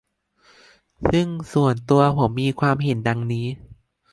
ซึ่งส่วนตัวผมมีความเห็นดังนี้